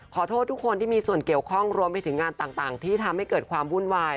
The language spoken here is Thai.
ขอโทษทุกคนที่มีส่วนเกี่ยวข้องรวมไปถึงงานต่างที่ทำให้เกิดความวุ่นวาย